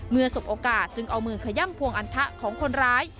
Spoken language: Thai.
เมื่อสบโอกาสจึงเอามือขย้ำพวงอรรถะของคนร้าย